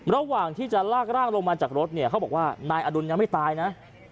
ระหว่างที่จะลากร่างลงมาจากรถเนี่ยเขาบอกว่านายอดุลยังไม่ตายนะ